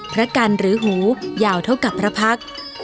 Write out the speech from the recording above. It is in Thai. พระกันหรือหูยาวเท่ากับพระพักษ์